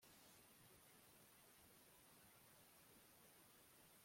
uko umubiri uremerezwa nibyokurya